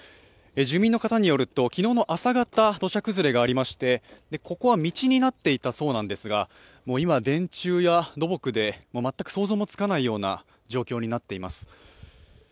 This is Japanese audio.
住民の方によると昨日の朝方土砂崩れがありまして、ここは道になっていたそうですが、今、電柱や土木で全く想像もつかないような状況になっています。